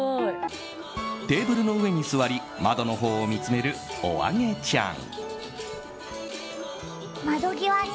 テーブルの上に座り窓のほうを見つめるおあげちゃん。